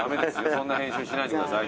そんな編集しないでください